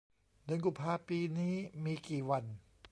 เดือนกุมภาปีนี้มีกี่วัน